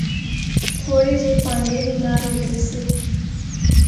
تھوڑے جئے پہانڈے وی نال ہوندے سے۔